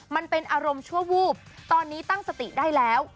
มันเป็นอารมณ์ชั่ววูบตอนนี้ตั้งสติได้แล้ว